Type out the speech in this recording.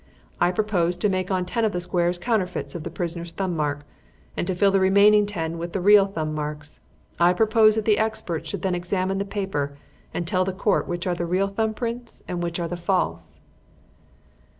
I propose to make on ten of the squares counterfeits of the prisoner's thumb mark, and to fill the remaining ten with real thumb marks. I propose that the experts should then examine the paper and tell the Court which are the real thumb prints and which are the false."